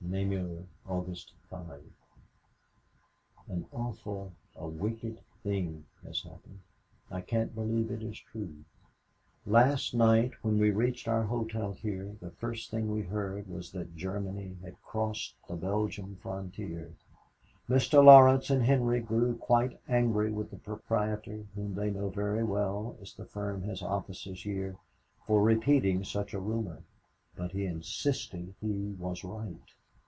"NAMUR, August 5. "An awful, a wicked thing has happened. I can't believe it is true. Last night when we reached our hotel here, the first thing we heard was that Germany had crossed the Belgian frontier. Mr. Laurence and Henry grew quite angry with the proprietor whom they know very well, as the firm has offices here for repeating such a rumor, but he insisted he was right.